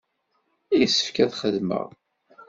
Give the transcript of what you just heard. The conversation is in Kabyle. Yessefk ad xedmeɣ.